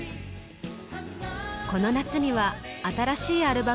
この夏には新しいアルバムも発表。